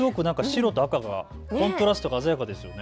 コントラストが鮮やかですよね。